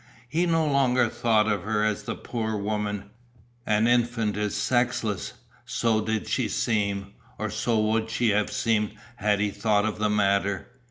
He no longer thought of her as the "poor woman," an infant is sexless, so did she seem, or so would she have seemed had he thought of the matter.